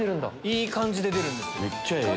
いい感じで出るんですよ。